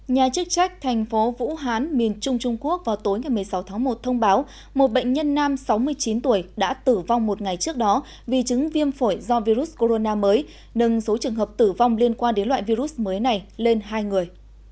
nhà chức trách thành phố vũ hán miền trung trung quốc vào tối ngày một mươi sáu tháng một thông báo một bệnh nhân nam sáu mươi chín tuổi đã tử vong một ngày trước đó vì chứng viêm phổi do virus corona mới nâng số trường hợp tử vong liên quan đến loại virus mới này lên hai người